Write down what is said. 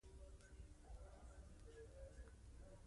ګاووزي وویل: مشره ډوډۍ څه وخت خورو؟